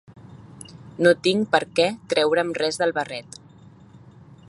I no tinc per què treure’m res del barret.